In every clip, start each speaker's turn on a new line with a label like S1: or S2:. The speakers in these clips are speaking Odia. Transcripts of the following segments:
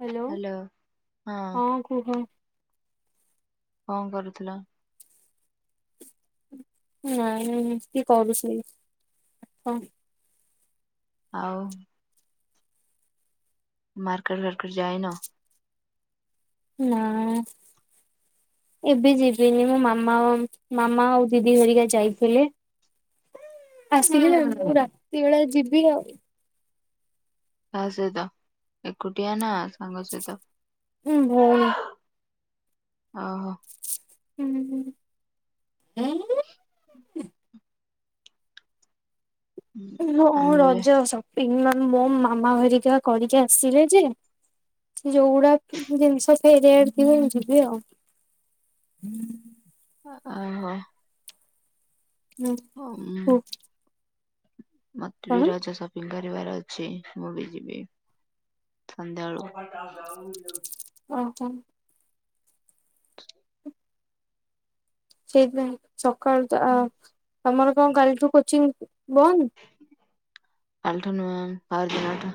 S1: ହ୍ୟାଲୋ ହଁ କୁହ।
S2: କଣ କରୁଥିଲ?
S1: ନାଇଁ ଏମିତି ଗଡୁଥିଲି।
S2: ଆଉ ମାର୍କେଟ ଫାର୍କେଟ ଯାଇନ?
S1: ନା ଏବେ ଯିବିନି ମୋ ମାମା ମାମା ଆଉ ଦିଦି ହେରିକା ଯାଇଥିଲେ। ଆସିକି ମୁଁ ରାତି ବେଳେ ଯିବି ଆଉ।
S2: କାହା ସହିତ ଏକୁଟିଆ ନା ସାଙ୍ଗ ସହିତ?
S1: ଭଉଣୀ।
S2: ଓହୋ।
S1: ହୁଁ ହୁଁ।
S2: ହୁଁ,
S1: [unintelligible]
S2: ଆମେ ବି
S1: ରଜ ଅସ। [unintelligible] ମୋମାମା ହେରିକା କରିକି ଆସିଲେ ଯେ ଯୋଉଗୁରା ଜିନିଷ ଫେରେଇବାର ଥିବ ଯିବ ଆଉ।
S2: ଓହୋ।
S1: ହୁଁ
S2: ଉଁ
S1: ହୁଁ।
S2: ମତେ ବି
S1: କଣ
S2: ରଜ ସପିଙ୍ଗ କ କରିବାର ଅଛି ମୁଁ ବି ଯିବି ସନ୍ଧ୍ୟାବେଳକୁ
S1: ଓହୋ। ସେଇଥିପାଇଁ ସକାଳୁ ତ ଆ
S2: ହୁଁ,
S1: ତମର କଣ କାଲିଠୁ କୋଚିଂ ବନ୍ଦ?
S2: କାଲିଠୁ ନୂଆ ପର ଦିନ ଠୁ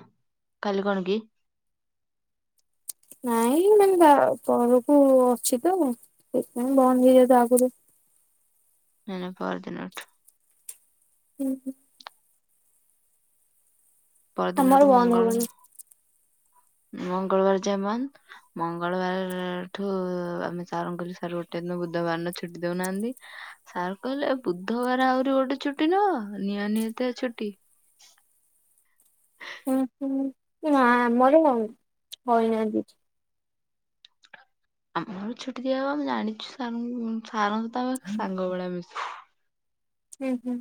S2: କାଲି କଣ କି?
S1: ନାଇ ଏମି ବା ପରକୁ ଅଛି ତ ସେଥିପାଇଁ ବନ୍ଦ ହେଇ ଯିବ ଆଗରୁ।
S2: ନାନା ପହରଦିନଠୁ।
S1: ହୁଁ ହୁଁ।
S2: ପରଦିନଠୁ
S1: ଆମର ବନ୍ଦ
S2: ମଙ୍ଗଳ
S1: ହବନି।
S2: ମଙ୍ଗଳବାର ଯାଏ ବନ୍ଦ ମଙ୍ଗଳବାରର ଠୁ ଆମେ ସାର୍ କହିଲେ ସାର୍ ଗୋଟେ ଦିନ ବୁଧବାର ନ ଛୁଟି ଦଉନାହାନ୍ତି ସାର୍ କହିଲେ ବୁଧବାର ଆହୁରି ଗୋଟେ ଛୁଟି ନବ ନିଅନି ଏତେ ଛୁଟି।
S1: ହୁଁ ହୁଁ ନା ଆମର ହଉନାହାନ୍ତିି କିଛି
S2: ଆମର ଛୁଟି ଦିଆ ହବ ଆମେ ଜାଣିଛୁ ସରଙ୍କୁ ସାର ତମ ସାଙ୍ଗ ଭଳିଆ ମିଶ
S1: ହୁଁ ହୁଁ।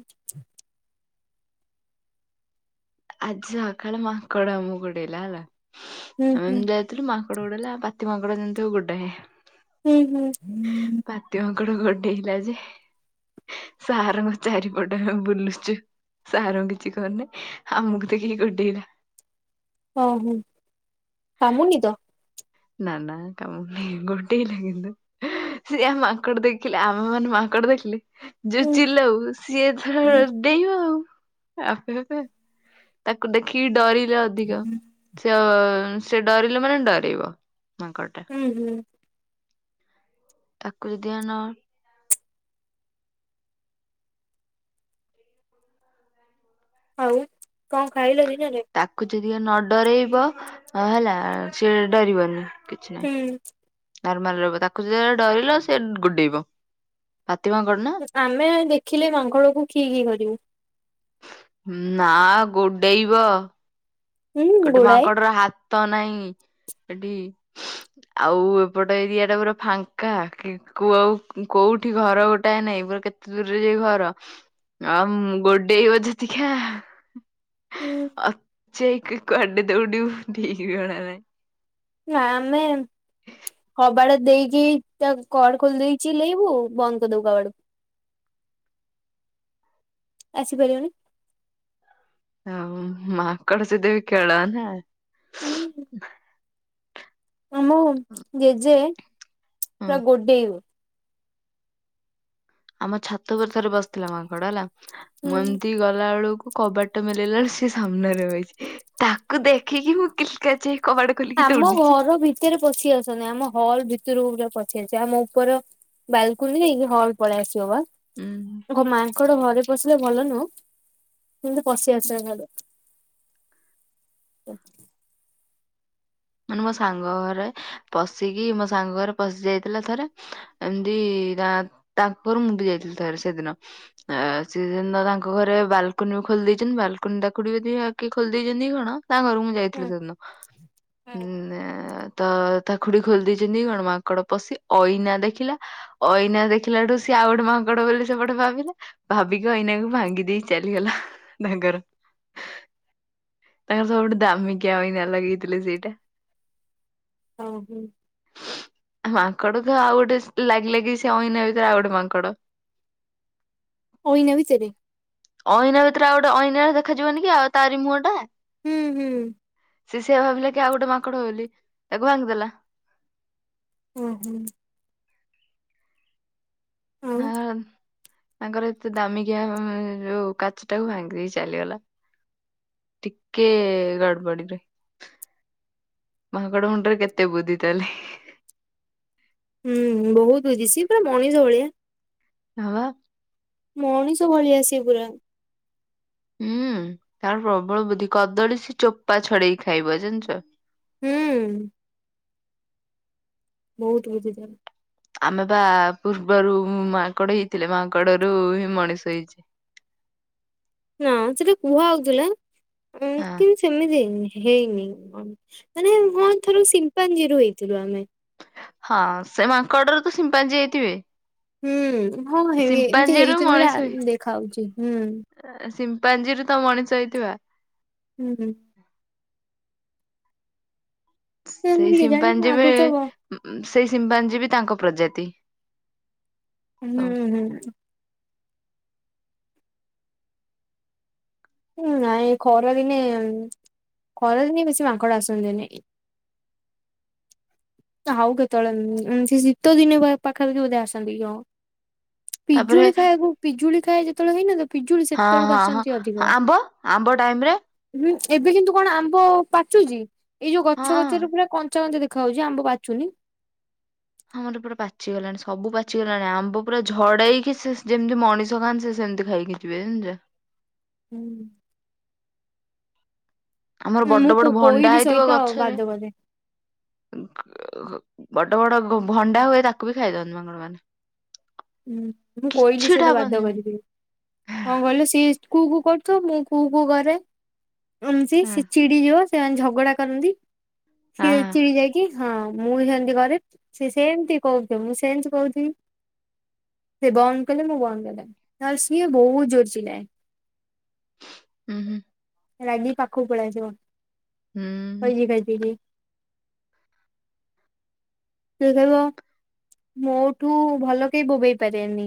S2: ଆଜି ସକାଳେ ମାଙ୍କଡ ଆମକୁ ଗୋଡେଇଲା ହେଲା
S1: ହୁଁ
S2: ଆମେ
S1: ହୁଁ
S2: ଯାଇଥିଲୁ ମାଙ୍କଡ ଗୋଡେଇଲା ପାତିମାଙ୍କ [unintelligible] ଜନ୍ତୁ ଗୋଟାଏ।
S1: ହୁଁ ହୁଁ।
S2: କୁର ଗୋଡେଇଲା ଯେ ସାରଙ୍କ ଚାରିପଟେ ଆମେ ବୁଲୁଚୁ ସାର୍ କିଛି କରୁନି ଆମକୁ ଦେଖିକି ଗୋଡେଇଲା।
S1: ଓ ହୁଁ କାମୁନି ତ?
S2: ନା ନା କାମୁଡ଼ିନି ଗୋଡେଇଲା କିନ୍ତୁ ସେ ମାଙ୍କଡ ଦେଖିଲେ ଆମେ ମାନେ ମାଙ୍କଡ ଦେଖିଲେ ଯୋଉ
S1: ହୁଁ
S2: ଚିଲୋଉ ସିଏ ତାର
S1: ହୁଁ।
S2: ବେଇବ ଆଉ। ଆପେ ଆପେ ତାକୁ ଦେଖିକି ଡରି ଅଧିକ ସେ ସେ ଡରିଲେ ମାନେ ଡରେଇବ ମାଙ୍କଡ଼ ଟା
S1: ହୁଁ ହୁଁ
S2: ତାକୁ ଯଦି ଆନ
S1: ଆଉ କଣ ଖାଇଲେଣି? କିଏ ରେ
S2: ଅତ୍ୟଧିକ ନ ଡରେଇବ ହେଲା ସିଏ ଡରିବନି। କିଛି ନାହିଁ
S1: ହୁଁ।
S2: ନର୍ମାଲ ରହିବ ତାକୁ ଜଦି ଡରିଲ ସେ ଗୁଡେଇବ।
S1: ଆମେ ଦେଖିଲେ ମାଙ୍କଡ଼ କୁ କି କି କରିବୁ।
S2: ହୁଁ ନା ଗୋଡେଇବ।
S1: ହୁଁ
S2: ଗୋଟେ
S1: ଗୋଳାଏ।
S2: ମାଙ୍କଡ୍ ର ହାତ ତ ନାହିଁ ଏଠି ଆଉ ଏପଟ ଏରିଆ ଟା ପୁରା ଫାଙ୍କା କି କ ଆଉ କୋଉଠି ଘର ଗୋଟାଏ ନାଇଁ ପୁରା କେତେ ଦୂରରେ ଯାଇ ଘର ଆଉ ଗୋଡେଇବ ଯେତିକା
S1: ହୁଁ
S2: ଅଛି। କୁଆଡେ ଦୌଡିବୁ ଠିକ ଜଣାନାହିଁ।
S1: ନା ଆମେ କବାଟ ଦେଇକି ତା କବାଟ ଖୋଲି ଦେଇଛି ଚିଲେଇବୁ ବନ୍ଦ କରିଦବୁ କବାଟକୁ ଆସିପାରିବନି।
S2: ହ ମାଙ୍କଡ଼ ସହିତ ବି ଖେଳ ନା
S1: ହୁଁ। ଆମ ଜେଜେ
S2: ହୁଁ
S1: ପୁରା ଗୋଡେଇବ ।
S2: ଆମ ଛାତ ଉପରେ ଥରେ ବସିଥିଲା ମାଙ୍କଡ ହେଲା। ମୁ
S1: ହୁଁ।
S2: ଏମିତି ଗଲା ବେଳକୁ କବାଟ ମିଳେଇଲା ବେଳକୁ ସେ ସାମ୍ନାରେ ବସିଛି ତାକୁ ଦେଖିକି ମୁଁ କିସ୍ କଚ୍
S1: ଆମ ଘର ଭିତରେ ପଶି ଆସନ୍ତିି ଆମ ହଲ ଭିତରକୁ ପୁରା ପସି ଆସନ୍ତି । ଜେଜେ ଆମ ଉପର ବାଲକୋନି ନାହିଁ ହଲ ପଳେଇ ଆସ
S2: ଉଁ
S1: ଘମା ଘରେ ପଶିଲେ ଭଲ ନୁହଁ କିନ୍ତୁ ପଶି ଆସନ୍ତି ଘରେ ।
S2: ମାନେ ମୋ ସାଙ୍ଗ ଘରେ ପସିକି ମୋ ସାଙ୍ଗ ଘରେ ପସି ଜାଇ ଥିଲା ଥରେ ଏମିତି ମୁ ଯାଇ ଥିଲି ସେଦିନ ସିଏ ସେଦିନ ବଲ୍କୋନି ଖୋଲି ଦେଇଚନ୍ତି କିଏ ଖୋଲି ଦେଇ ଚି କି କଣ ତା ଘରୁ ମୁଁ ଯାଇଥିଲି
S1: ହୁଁ
S2: ସେଦିନ । ହୁଁ ତା ଖୁଡି ଖୋଲି ଦେଇଛନ୍ତି କି କଣ ମାଙ୍କଡ଼ ପଶିକି ଆଇନା ଦେଖିଲା ଆଇନା ଦେଖିଲାଠୁ ସିଏ ଆଉ ଗୋଟେ ମାଙ୍କଡ଼ ବୋଲି ସେପଟେ ଭାବିଲା ଭାବିକି ଆଇନା କୁ ଭାଙ୍ଗି ଦେଇ ଚାଲିଗଲା ତାଙ୍କର । ତାଙ୍କର ସବୁଠୁ ଦାମିକିଆ ଆଇନା ଲଗେଇ ଥିଲେ ସେ [unintelligible]
S1: ହଁ ହୁଁ।
S2: ମାଙ୍କଡ ତ ଆଉ ଗୋଟେ ଲାଗି ଲାଗି ସେ ଅଇନା ଭିତରେ ଆଉ ଗୋଟେ ମାଙ୍କଡ।
S1: ହୋଇନା ବିଚରେ।
S2: ଅଇନା ଭିତରେ ଆଉ ଗୋଟେ ଅଇନା ଦେଖାଯିବନି କି? ଆଉ ତାର ମୁହଁ ଟା ।
S1: ହୁଁ ହୁଁ
S2: ସେ ସେୟା ଭାବିଲ କି କେ ଆଉ ଗୋଟେ ମାଙ୍କଡ [inaudible] ଲି ତାକୁ ଭାଙ୍ଗିଦେଲା ।
S1: ହୁଁ - ହୁଁ।
S2: [inaudible] ତାଙ୍କର ଏତେ ଦାମିକିଆ ଯୋଉ କାଚଟାକୁ ଭାଙ୍ଗି ଦେଇ ଚାଲିଗଲା। ଟିକେ ଗଡବଡିରୁ ମାଙ୍କଡ ମୁଣ୍ଡରେ କେତେ ବୁଦ୍ଧି ତାହାଲେ।
S1: ହୁଁ ବହୁତ [inaudible] ସେ ପୁରା ମଣିଷ ଭଳିଆ ।
S2: ହଁବା।
S1: ମଣିଷ ଭଳିଆ ସେ ପୁରା।
S2: ହୁଁ, ତାର ପ୍ରବଳ ବୁଦ୍ଧି କଦଳୀ ସେ ଚୋପା ଛଡେଇକି ଖାଇବ, ଜାଣିଛ।
S1: ହୁଁ। ବହୁତ ବୁଝି ତା ର ।
S2: ଆମେ ବା ପୂର୍ବରୁ ମାଙ୍କଡ ହେଇଥିଲେ, ମାଙ୍କଡରୁ ହିଁ ମଣିଷ ହେଇଛି।
S1: ନା ସେଟା କୁହା ହଉଥିଲା। ଅ
S2: ହଁ
S1: କିନ୍ତୁ ସେମିତି ହେଇନି। ହେଇନି, ମାନେ ହଁ ଥର ସିମ୍ପାଞ୍ଜିୀରୁ ହେଇଥିବା ଆମେ।
S2: ହଁ, ସେ ମାଙ୍କଡରୁ ତ ସିମ୍ପାଞ୍ଜି ହେଇଥିବେ।
S1: ହୁଁ। ହଁ ହେ [unintelligible] ଏମିତି
S2: ସିମ୍ପାଞ୍ଜିରୁ
S1: ହେଇଚି
S2: ମଣିଷ ହେଇ
S1: ବୋଲି [inaudible] ଦେଖାଉଛି ହୁଁ।
S2: ପାଞ୍ଜିରୁ ତ ମଣିଷ ହେଇଥିବା।
S1: ହୁଁ
S2: ସେଇ
S1: କେମିତି କେଜାଣି
S2: ସିମ୍ପାାଜି ବେ
S1: ଆଗରୁ ତ ବ-
S2: ସେଇ ସିମ୍ପାଜି ବି ତାଙ୍କ ପ୍ରଜାତି।
S1: ହୁଁ
S2: ସବୁ।
S1: ହୁଁ। ହୁଁ ନାଇଁ ଖରା ଦିନେ ଖରା ଦିନେ ବେଶି ମାଙ୍କଡ ଆସନି। ଆଉ କେତେବେଳେ ସେ ଶୀତ ଦିନେ ବା ପାଖାପଖି ବୋଧେ ଆସନ୍ତି କି କଣ।
S2: ତାପରେ
S1: ପିଜୁଳି ଖାଇବାକୁ ପିଜୁଳି ଖାଏ ଯେ ଶୀତ ଦିନେ।
S2: ହଁ ହଁ ହଁ ଆମ୍ବ। ଆମ୍ବ ଟାଇମ ରେ
S1: ଏବେ କିନ୍ତୁ କଣ ଆମ୍ବ ପାଚୁଚି? ଏଇ ଯୋଉ
S2: ହଁ
S1: ଗଛ ଗଛରୁ ପୁରା କଞ୍ଚା କଞ୍ଚା ଦେଖୁ ଖାଉଛି ଆମ୍ବ ପାଚୁନି।
S2: ହଁ ମର ପୁରା ପାଚିଗଲାଣି ସବୁ ପାଚିଗଲାଣି ଆମ୍ବ ପୁରା ଝଡେଇକି, ସେ ଯେମିତି ମଣିଷ ଖାଆନ୍ତି, ସେ ସେମିତି ଖାଇକି ଯିବେ ଜାଣିଛ।
S1: ହୁଁ।
S2: ଆମର
S1: ମୁଁ
S2: ବଡ ବଡ
S1: କୋ-
S2: ଭଣ୍ଡା
S1: କୋଇଲି
S2: ହେଇଥିବ
S1: ସହିତ
S2: ଗଛରେ
S1: ବାଦ କରେ
S2: ବଡ ବଡ ଗୋ ଭଣ୍ଡା ହୁଏ, ତାକୁ ବି ଖାଇଦିଅନ୍ତି ମାଙ୍ଗଡ ମାନେ।
S1: ହୁଁ ମୁଁ କହିଲି ସେ
S2: କିଛିଟା
S1: ତ ବାଦ
S2: ବନିବନି
S1: କରିବି, ହଁ ଗଲେ ସିଏ କୁ କୁ କରୁଥିବ, ମୁଁ କୁ କୁ କରେ। ଉଁ
S2: ହଁ।
S1: ସେ ଚିଡି ଯିବ। ସେମାନେ ଝଗଡା କରନ୍ତି। ସେ
S2: ହଁ।
S1: ଚିଡ଼ି ଯାଇକି ହଁ, ମୁଁ ସେମତି କରେ ସେ ସେମତି କହୁଥିବ, ମୁଁ ସେମତି କହୁଥିବି। ସେ ବନ୍ଦ କଲେ ମୁଁ ବନ୍ଦ କରିଦେ ନହେଲେ ସିଏ ବହୁତ ଜୋରରେ ଚିଲାଏ।
S2: ହୁଁ, ହୁଁ।
S1: ରାଗିକି ପାଖକୁ ପଲେଇ ଆସିବ।
S2: ହୁଁ
S1: [unintelligible] ସେ କହିବ, ମୋଠୁ ଭଲ କେହି ବୋବେଇ ପାରିବେନି।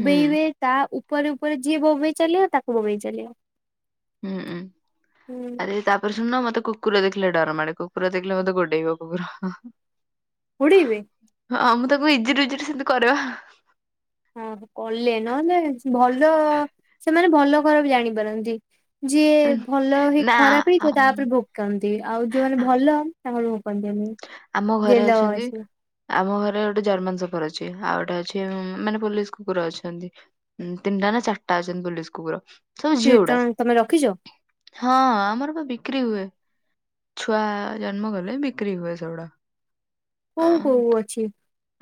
S2: ହୁଁ
S1: ତା ଉପ ଉପରେ ଉପରେ ଯିଏ ବୋବେଇ ଚାଲିବ ତାକୁ ବୋବେଇ ଚାଲିବ।
S2: ହୁଁ, ଉଁ,
S1: ଉଁ
S2: ଆରେ ତାପରେ ଶୁଣନ ମତେ ମତେ କୁକୁର ଦେଖିଲେ ଡରମାଡେ, କୁକୁର ଦେଖିଲେ ମତେ ଗୋଡେଇବ କୁକୁର।
S1: ହୁଡ଼ିିବି।
S2: ହଁ ମୁଁ ତାକୁ ଇଜିରେ ଇଜିରେ ସେମତି କରେ ବା।
S1: ହଁ କଲେ ନହେଲେ ଭଲ ସେମାନେ ଭଲ, ଖରାପ ଜାଣିପାରନ୍ତି। ଯିଏ ଭଲ ହେଇ
S2: ନା
S1: ଖରାପ ହେଇଥିବ
S2: ଆମ୍,
S1: ତାପରେ ଭୋକନ୍ତି ଆଉ ଯୋଉମାନେ
S2: ଆମ୍,
S1: ଭଲ ତଳୁ ଉପନ୍ତି। [unintelligible]
S2: ଆମ ଘରେ ଅଛନ୍ତି, ଆମ ଘରେ ଗୋଟେ ଜର୍ମାନ ସଫର ଅଛି ଆଉ ଗୋଟେ ଅଛି ମାନେ ପୋଲିସ କୁକୁର ଅଛନ୍ତି ତିନିଟା ନା ଚାରିଟା ଅଛନ୍ତି ପୋଲିସ କୁକୁର। ସବୁ ଝିଅ ଗୁଡା
S1: କଣ ତମେ ରଖିଛ
S2: ହଁ ଆମର ବା ବିକ୍ରି ହୁଏ। ଛୁଆ ଜନ୍ମ କଲେ ବିକ୍ରି ହୁଏ। ସେଉଡ଼ା।
S1: କଣ କରୁବୁ ଅଛି?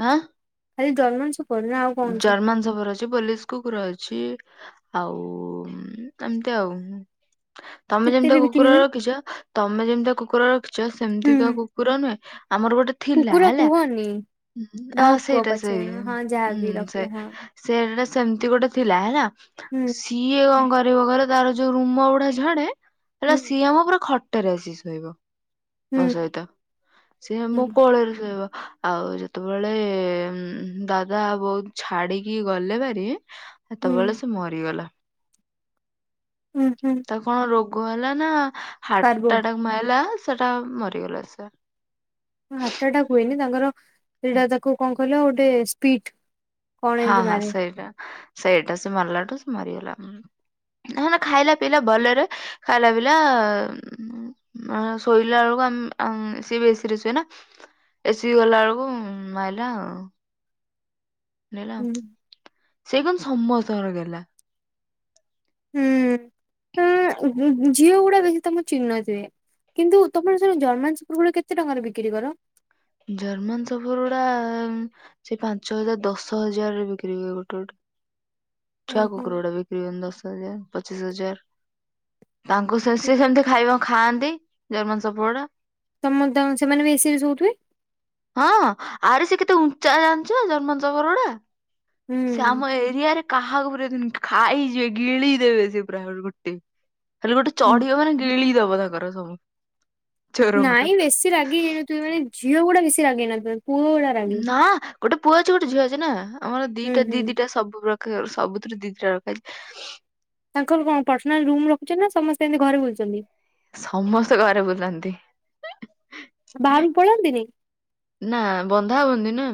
S2: ହାଁ
S1: ଆରେ ଜର୍ମାନ ସବୁ
S2: ଜର୍ମାନ ସଫର୍ ଅଛି। ପୋଲିସ କୁକୁର ଅଛି। ଆଉ ମ୍ ଏମତି ଆଉ ଉହୁଁ। ତମେ ଯେମିତିଆ
S1: କେତେରେ ବିକ୍ରି
S2: କୁକୁର
S1: ହୁଏ
S2: ରଖିଛ ତମେ ଯେମିତିଆ କୁକୁର ରଖିଛ ସେମତିକା
S1: ହୁଁ
S2: କୁକୁର ନୁହେଁ ଆମର ଗୋଟେ ଥିଲା
S1: କୁକୁର
S2: ହେଲା।
S1: କୁହନି।
S2: ଉହୁଁ ହଁ
S1: ଡଗ୍ କୁହ
S2: ସେଇଟା
S1: ପଛେ
S2: ସେଇ
S1: ହଁ
S2: ଉଁ
S1: ଯାହାବି
S2: ହୁଁ ସେ
S1: ରଖିଲେ ହଁ
S2: ସେ ସେଟା ସେମତି ଗୋଟେ ଥିଲା ହେଲା
S1: ହୁଁ
S2: ସିଏ କଣ କର୍ ଯୋଉ ଘରେ ତାର ଯୋଉ ରୁମ ଗୁଡା ଝଡେ ହେଲା
S1: ହୁଁ
S2: ସିଏ ଆମ ପୁରା ଖଟ୍ ଟରେ ଆସି ଶୋଇବ। ମୋ
S1: ହୁଁ।
S2: ସହିତ ସିଏ
S1: ହୁଁ
S2: ମୋ କୋଳରେ ଶୋଇବ। ଆଉ ଯେତବେଳେ ଉଁ ଦା ଦାଦା ବୋଉତ୍ ଛାଡିକି ଗଲେ ଭାରି
S1: ହୁଁ
S2: ହେତବେଳେ ସିଏ ମରିଗଲା।
S1: ହୁଁ ହୁଁ
S2: ତାକୁ କଣ ରୋଗ୍ ଗ ହେଲା ନା?
S1: ପାର୍ବୋ
S2: ହାର୍ଟ ଆଟାକ ମାଇଲା। ସେଟା ମରିଗଲା ସେ।
S1: ହାର୍ଟ୍ ଆଟାକ୍ ହୁଏନି। ତାଙ୍କର ପିଡା ଯାକୁ କଣ କହିଲ ଗୋଟେ ସ୍ପିଟ୍। କଣ
S2: ହଁ
S1: ଏମିତି
S2: ହଁ
S1: ମାରେ।
S2: ସେଇଟା। ସେଇଟା ସେ ମାରିଲାଠୁ ସେ ମରିଗଲା। ଉଁ ନହେଲେ ଖାଇଲା ପିଇଲା ଭଲରେ ଖାଇଲା ପିଇଲା ଉଁ ମ ଶୋଇଲା ଅଳୁକୁ ଆମ୍ ଆମ୍ ସିଏ ବି ଏ ସି ରେ ଶୁଏ ନା। ଏ ସି ରେ ଗଲାଅଳୁକୁ ମାଇଲା ଆଉ। ନିଳମ୍
S1: ହୁଁ
S2: ସେ କିନ୍ତୁ ସମସ୍ତଙ୍କର ଗେହ୍ଲା।
S1: ଉଁ ଉଁ [unintelligible] ଝିଅଗୁଡା ବେଶୀ ତମକୁ ଚିହ୍ନି ନଥିବେ। କିନ୍ତୁ ତମର ସେ ଯୋଉ ଜର୍ମାନ ସୁପୁର୍ ଗୁଡା କେତେ ଟଙ୍କାରେ ବିକ୍ରି କର?
S2: ଜର୍ମାନ ସଫରଉଡା ସେଇ ପାଞ୍ଚ ହଜାର ଦଶ ହଜାରରେ ବିକ୍ରି ହୁଏ ଗୋଟେ ଗୋଟେ। ଛୁଆ
S1: ଓହୋ।
S2: କୁକୁରଉଡ଼ା ବିକ୍ରି ହୁଅନ୍ତି ଦଶ ହଜାର। ପଚିଶ ହଜାର। ତାଙ୍କୁ ସେ ସିଏ ସେମିତି ଖାଇବ। ଖାଆନ୍ତି ଜର୍ମାନ ସପୁଉଡା।
S1: ତମ ତ ସେମାନେ ବି ଏ ସି ରେ ଶୋଉଥୁବେ।
S2: ହଁ ଆରେ ସେ କେତେ ଉଞ୍ଚା ଜାଣିଚ ଜର୍ମାନ ସଫର ଗୁଡା? ସେ
S1: ହୁଁ।
S2: ଆମ ଏରିଆରେ କାହାକୁ ପୁରେଇ ଦେବେନି ଖାଇଯିବେ ଗିଳିଦେବେ ସିଏ ପୁରା ଗୋଟେ। ଖାଲି ଗୋଟେ
S1: ହୁଁ।
S2: ଚଢିବ ମାନେ ଗିଳିଦବ। ପଦାକର ସବୁ। ଚୋରଙ୍କର
S1: ନାଇଁ ବେଶୀ ରାଗି ହେଇନଥିବ ମାନେ ଝିଅଗୁଡା ବେଶୀ ରାଗୀ ହେଇନଥିବ।
S2: ନାଁ ଗୋଟେ ପୁଅ ଅଛି ଗୋଟେ ଝିଅ ଅଛି ନାଁ। ଆମର
S1: ହୁଁ
S2: ଦିଟା
S1: ହୁଁ
S2: ଦି ଦିଟା ସବୁ ପ୍ର କେ ସବୁଥୁରୁ ଦି ଦିଟା ରଖାହେଇଚି।
S1: ତାଙ୍କର କଣ ପର୍ସନାଲ ରୁମ ରଖୁଚନ୍ତି ନାଁ ସମସ୍ତେ ଏମିତି ଘରେ ବୁଲୁଚନ୍ତି।
S2: ସମସ୍ତେ ଘରେ ବୁଲନ୍ତି।
S1: ବାହାରକୁ ପଳାନ୍ତିନି
S2: ନାଁ ବନ୍ଧାବନ୍ଧି ନା।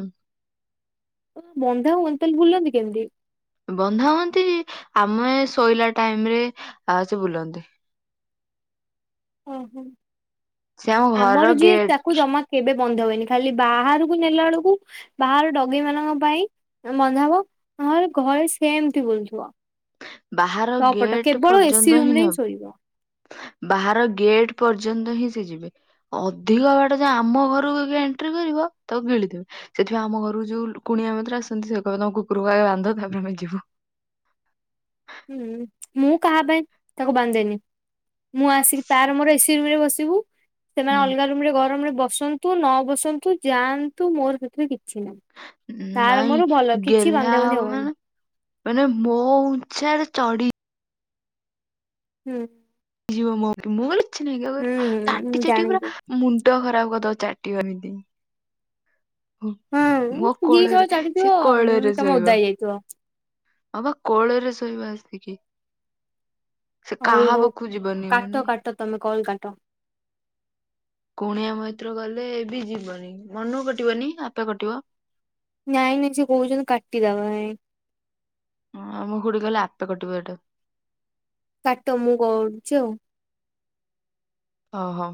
S1: ବନ୍ଧା ହୁଅନ୍ତି ତାହେଲେ ବୁଲନ୍ତି କେମତି?
S2: ବନ୍ଧା ହୁଅନ୍ତି ଆମେ ଶୋଇଲା ଟାଇମରେ ଅ ସେ ବୁଲନ୍ତି।
S1: ଓ ହୋ।
S2: ସେ ଆମ
S1: ଆମର
S2: ଘରର
S1: ଯିଏ
S2: ଗେଟ
S1: ତାକୁ ଜମା କେବେ ବନ୍ଧ ହୁଏନି ଖାଲି ବାହାରକୁ ନେଲା ବେଳକୁ ବାହାର ଡଗି ମାନଙ୍କ ପାଇଁ ବନ୍ଧା ହବ ନହେଲେ ଘରେ ସେମତି ବୁଲୁଥିବ।
S2: ବାହାର
S1: ତପଟ
S2: ଗେଟ୍
S1: କେବଳ
S2: ପର୍ଯ୍ୟନ୍ତ
S1: ଏସିି ରୁମ ରେ ହିଁ
S2: ନବୁ
S1: ଶୋଇବ।
S2: ବାହାର ଗେଟ୍ ପର୍ଯ୍ୟନ୍ତ ହିଁ ସେ ଯିବେ ଅଧିକ ବାଟ ଯେ ଆମ ଘରକୁ ବି ଏଣ୍ଟ୍ରି କରିବ ତାକୁ ଗିଳିଦେବେ ସେଥିପାଇଁ ଆମ ଘରକୁ ଯୋଉ କୁଣିଆ ମୈତ୍ର ଆସନ୍ତି ସେ କହିବେ ତମ କୁକୁରକୁ ଆଗ ବାନ୍ଧ ତାପରେ ଆମେ ଯିବୁ।
S1: ହୁଁ ମୁଁ କାହା ପାଇଁ ତାକୁ ବାନ୍ଧେନି। ମୁଁ ଆସିକି ତାର ମୋର ଏସି ରୁମରେ ବସିି ଯିବୁ ସେମାନେ
S2: ହୁଁ
S1: ଅଲଗା ରୁମ ରେ ଗରମରେ ବସନ୍ତୁ ନ ବସନ୍ତୁ ଯାଆନ୍ତୁ ମୋର ସେଥିରେ କି
S2: ନାଇଁ
S1: କିଛି ବାନ୍ଧା
S2: ଗେହ୍ଲା
S1: ବୁନ୍ଧି
S2: ହବ
S1: ହବନି
S2: ମାନେ ମାନେ ମୋ ଛା ରେ ଚଢି
S1: ହୁଁ।
S2: [unintelligible] କିଛି ନାଇଁ କେବଳ
S1: ହୁଁ
S2: ଚାଟି
S1: ହୁଁ
S2: ଚାଟିକି ପୁରା
S1: ଜାଣିଛି
S2: ମୁଣ୍ଡ ଖରାପ [unintelligible] ଚାଟିବ ଏମିତି ।
S1: ହଁ ଦି
S2: କୋଳରେ
S1: ଥର
S2: ସେ
S1: ଚାଟିଥିବ
S2: କୋଳରେ
S1: ତମେ
S2: ଶୋଇବ
S1: ଉଦା ହେଇଯାଇଥିବ।
S2: ହଁ ବା କୋଳରେ ଶୋଇବ ଆସିକି। ସେ
S1: ହଉ
S2: କାହା
S1: ହଉ
S2: ପାଖକୁ ଯିବନି ମାନେ
S1: କାଟ କାଟ ତମେ କଲ କାଟ।
S2: କୁଣିଆ ମୈତ୍ର ଗଲେ ଏ ବି ଯିବନି ମନ କଟିବନି ଆପେ କଟିବ।
S1: ନାଇ ନାଇ ସେ କହୁଛନ୍ତି କାଟି ଦେବା ପାଇଁ [inaudible]
S2: ହଁ ମୁଁ ଖୁଡି କହିଲେ ଆପେ କଟିବ ଏଇଟା।
S1: କାଟ ମୁଁ କରଛି ଆଉ [inaudible]
S2: ଓହୋ।